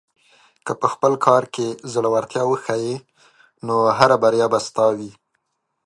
که په خپل کار کې زړۀ ورتیا وښیې، نو هره بریا به ستا وي.